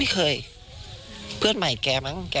เก่งกว่ากะเทย